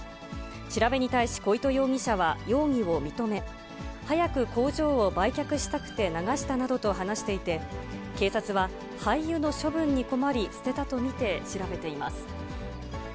調べに対し小糸容疑者は、容疑を認め、早く工場を売却したくて流したなどと話していて、警察は、廃油の処分に困り捨てたと見て調べています。